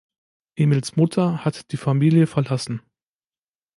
Emils Mutter hat die Familie verlassen.